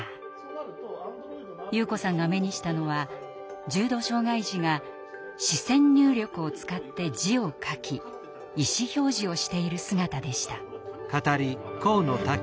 優子さんが目にしたのは重度障害児が視線入力を使って字を書き意思表示をしている姿でした。